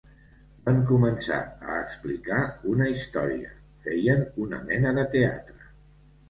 Van començar a explicar una història, feien una mena de teatre.